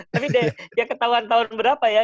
tapi d ya ketauan tahun berapa ya